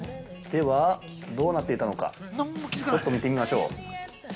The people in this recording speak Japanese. では、どうなっていたのかちょっと見てみましょう。